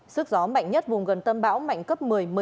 sức gió mạnh nhất vùng gần tâm bão mạnh cấp một mươi một mươi một